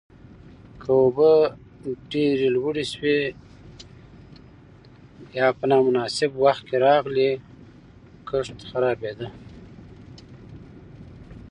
که اوبه ډېره لوړې شوې یا په نامناسب وخت کې راغلې، کښت خرابېده.